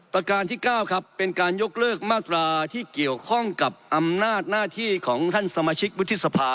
ประการที่๙ครับเป็นการยกเลิกมาตราที่เกี่ยวข้องกับอำนาจหน้าที่ของท่านสมาชิกวุฒิสภา